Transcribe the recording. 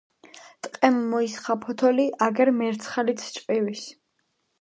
ტყემ მოისხა ფოტოლი აგერ მერცხალიც ჭყივის.